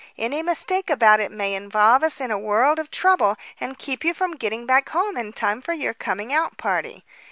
Any mistake about it may involve us in a world of trouble and keep you from getting back home in time for your coming out party.